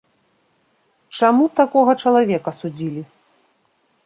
Чаму такога чалавека судзілі?